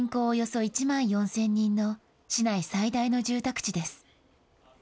およそ１万４０００人の市内最大の住宅地です。